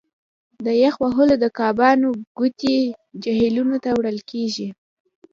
د یخ وهلو د کبانو کوټې جهیلونو ته وړل کیږي